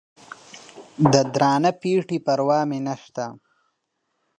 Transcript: د درانه پېټي پروا مې نسته